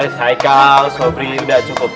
guys haikal sobri udah cukup